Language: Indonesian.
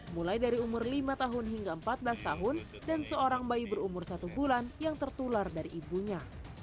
mulai dari umur lima tahun hingga empat belas tahun dan seorang bayi berumur satu bulan yang tertular dari ibunya